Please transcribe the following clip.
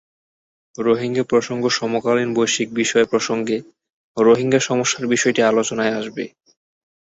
রোহিঙ্গা প্রসঙ্গ সমকালীন বৈশ্বিক বিষয় প্রসঙ্গে রোহিঙ্গা সমস্যার বিষয়টি আলোচনায় আসবে।